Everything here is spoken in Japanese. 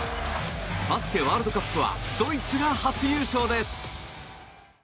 バスケワールドカップはドイツが初優勝です。